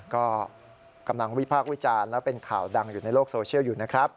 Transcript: ก็กำลังวิพากษ์วิจารณ์และเป็นข่าวดังอยู่ในโลกโซเชียลอยู่นะครับ